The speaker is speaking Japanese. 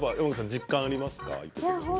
実感はありますか？